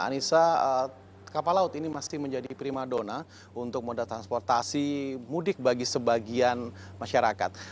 anissa kapal laut ini masih menjadi prima dona untuk moda transportasi mudik bagi sebagian masyarakat